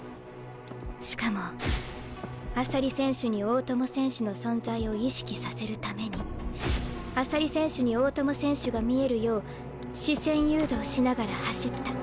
しかも朝利選手に大友選手の存在を意識させるために朝利選手に大友選手が見えるよう視線誘導しながら走った。